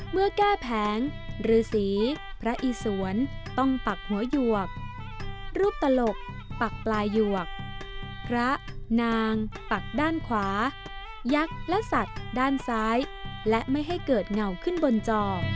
เมื่อแก้แผงฤษีพระอีสวนต้องปักหัวหยวกรูปตลกปักปลายหยวกพระนางปักด้านขวายักษ์และสัตว์ด้านซ้ายและไม่ให้เกิดเงาขึ้นบนจอ